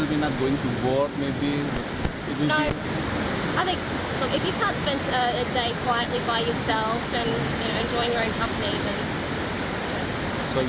saya pikir kalau anda tidak bisa menghabiskan hari dengan diri sendiri dan menikmati perusahaan sendiri